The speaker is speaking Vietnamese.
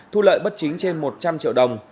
thu lợi bất chính trên một trăm linh triệu đồng